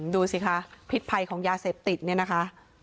ดูสิคะพิษภัยของยาเสพติดเนี่ยนะคะ